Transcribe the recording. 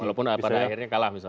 walaupun pada akhirnya kalah misalnya